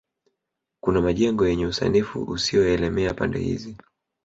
Kuna majengo yenye usanifu usioelemea pande hizi